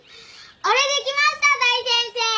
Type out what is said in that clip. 俺できました大先生！